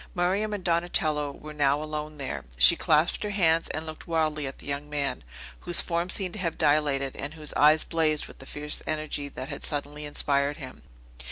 Miriam and Donatello were now alone there. She clasped her hands, and looked wildly at the young man, whose form seemed to have dilated, and whose eyes blazed with the fierce energy that had suddenly inspired him.